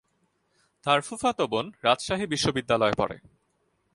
তার ফুফাতো বোন রাজশাহী বিশ্বনিদ্যালয়ে পড়ে।